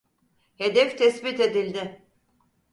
Hedef tespit edildi.